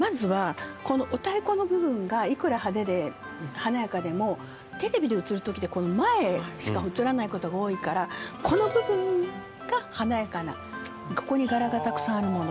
まずはこのテレビで映るときって前しか映らないことが多いからこの部分が華やかなここに柄がたくさんあるもの